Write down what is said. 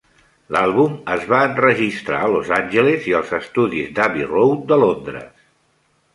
L'àlbum es va enregistrar a Los Angeles i als estudis d'Abbey Road de Londres.